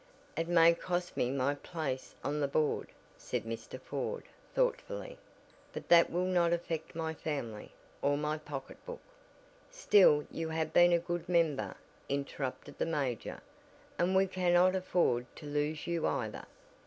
"It may cost me my place on the board " said Mr. Ford thoughtfully, "but that will not affect my family, or my pocket book " "Still you have been a good member," interrupted the major, "and we cannot afford to lose you, either."